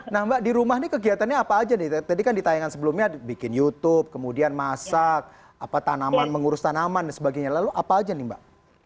nah mbak di rumah nih kegiatannya apa aja nih tadi kan ditayangkan sebelumnya bikin youtube kemudian masak tanaman mengurus tanaman dan sebagainya lalu apa aja nih mbak